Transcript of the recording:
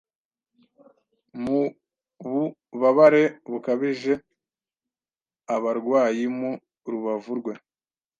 Mububabare bukabije abarwayimu rubavu rwe